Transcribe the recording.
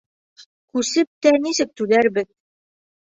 Күсеп тә нисек түләрбеҙ?